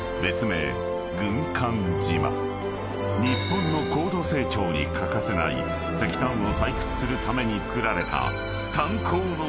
［日本の高度成長に欠かせない石炭を採掘するために造られた］